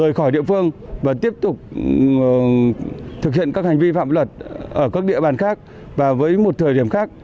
rời khỏi địa phương và tiếp tục thực hiện các hành vi phạm luật ở các địa bàn khác và với một thời điểm khác